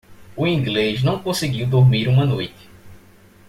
O inglês não conseguiu dormir uma noite.